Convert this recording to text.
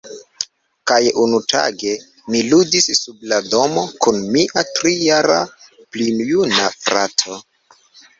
Kaj unutage, mi ludis sub la domo kun mia tri-jara-plijuna frato.